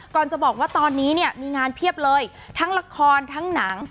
จะบอกว่าตอนนี้เนี่ยมีงานเพียบเลยทั้งละครทั้งหนัง